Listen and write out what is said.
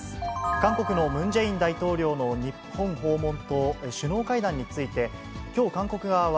韓国のムン・ジェイン大統領の日本訪問と首脳会談について、きょう韓国側は、